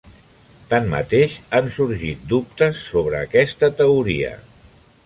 Tanmateix, han sorgit dubtes sobre aquesta teoria.